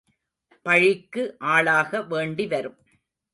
பழிக்கு ஆளாக வேண்டிவரும்.